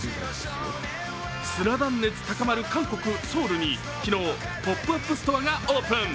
スラダン熱高まる韓国ソウルに昨日、ポップアップストアがオープン。